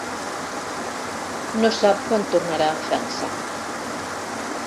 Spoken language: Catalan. No sap quan tornarà a França.